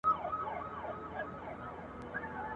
د توپان غرغړې اورم د بېړیو جنازې دي ,